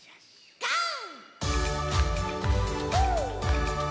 ゴー！